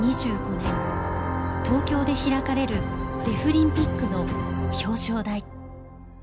東京で開かれるデフリンピックの表彰台。